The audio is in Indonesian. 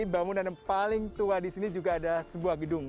bangunan yang paling tua di sini juga ada sebuah gedung